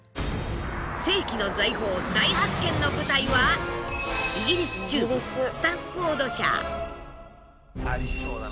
世紀の財宝大発見の舞台はイギリス中部スタッフォードシャー。